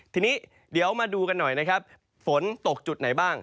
ทีนี้เดี๋ยวมาดูกันหน่อยนะครับฝนตกจุดไหนบ้าง